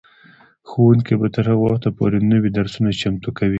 ښوونکي به تر هغه وخته پورې نوي درسونه چمتو کوي.